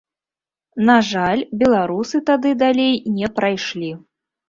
На жаль, беларусы тады далей не прайшлі.